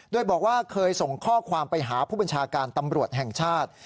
โดยบอกว่าเคยส่งข้อความไปหาผู้บัญชาการตำรวจแห่งชาติ